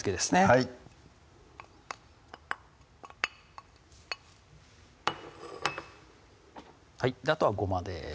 はいあとはごまです